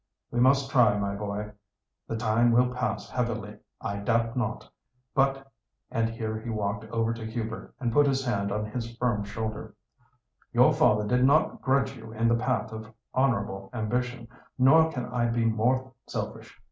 "We must try, my boy. The time will pass heavily, I doubt not; but," and here he walked over to Hubert, and put his hand on his firm shoulder, "your father did not grudge you in the path of honourable ambition, nor can I be more selfish.